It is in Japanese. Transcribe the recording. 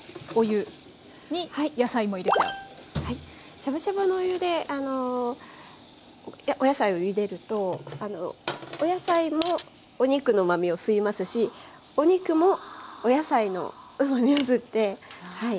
しゃぶしゃぶのお湯でお野菜をゆでるとお野菜もお肉のうまみを吸いますしお肉もお野菜のうまみを吸ってはい。